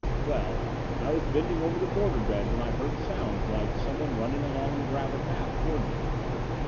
"Well, I was bending over the border bed when I heard sounds like someone running along the gravel path towards me.